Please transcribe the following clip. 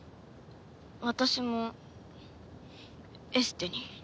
私もエステに。